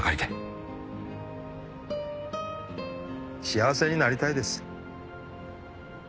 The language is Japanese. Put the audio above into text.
幸せになりたいです。